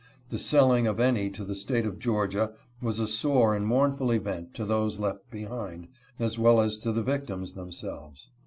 The selling of any to the State of Georgia was a sore and mournful event to those left be hind, as well as to the victims themselves.